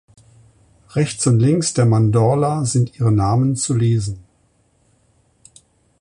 Rechts und links der Mandorla sind ihre Namen zu lesen.